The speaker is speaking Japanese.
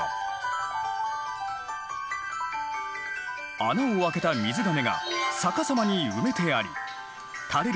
穴を開けた水がめが逆さまに埋めてありたれる